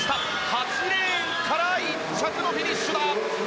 ８レーンから１着のフィニッシュだ。